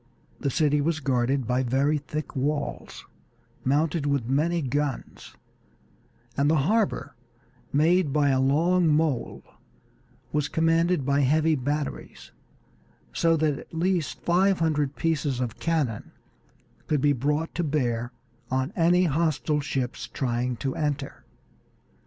The city was guarded by very thick walls, mounted with many guns, and the harbor, made by a long mole, was commanded by heavy batteries, so that at least five hundred pieces of cannon could be brought to bear on any hostile ships trying to enter.